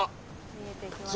見えてきました。